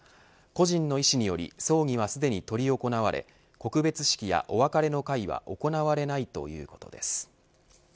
故人の遺志により葬儀はすでに執り行われ告別式やお別れの会は行われないということです。